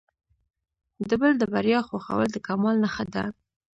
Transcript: د بل د بریا خوښول د کمال نښه ده.